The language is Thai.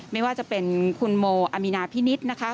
ไม่ว่าจะเป็นคุณโมอามีนาพินิษฐ์นะคะ